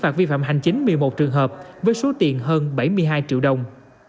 có số tiền hơn bảy mươi hai triệu đồng